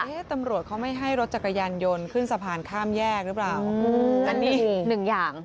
ตำรวจเขาไม่ให้รถจักรยานยนต์ขึ้นสะพานข้ามแยกหรือเปล่าอันนี้หนึ่งอย่าง